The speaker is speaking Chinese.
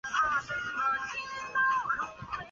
道路和铁路网络也可以连接其他市区。